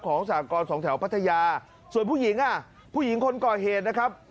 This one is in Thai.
สากรสองแถวพัทยาส่วนผู้หญิงอ่ะผู้หญิงคนก่อเหตุนะครับ